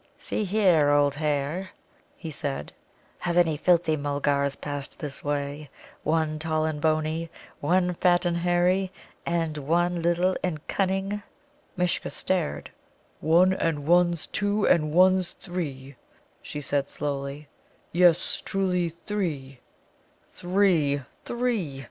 "See here, old hare," he said; "have any filthy Mulgars passed this way, one tall and bony, one fat and hairy, and one little and cunning?" Mishcha stared. "One and one's two, and one's three," she said slowly. "Yes, truly three." "Three, three!"